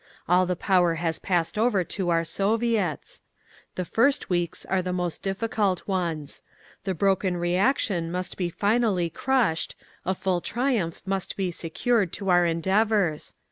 All the power has passed over to our Soviets. The first weeks are the most difficult ones. The broken reaction must be finally crushed, a full triumph must be secured to our endeavours.